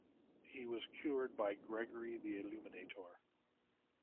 He was cured by Gregory the Illuminator.